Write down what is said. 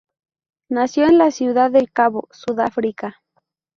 Nació en Ciudad del Cabo, Sudáfrica.